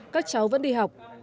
các cháu vẫn đi học